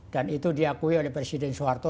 dan itu diakui oleh presiden soeharto